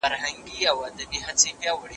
د ژوند توازن د فشار مدیریت اسانوي.